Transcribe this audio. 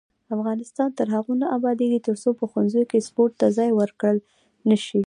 افغانستان تر هغو نه ابادیږي، ترڅو په ښوونځیو کې سپورت ته ځای ورکړل نشي.